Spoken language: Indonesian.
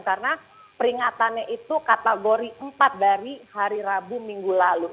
karena peringatannya itu kategori empat dari hari rabu minggu lalu